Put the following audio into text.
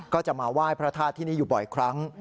ก็จะมาไหว้พระธาตุที่นี่อยู่บ่อยครั้ง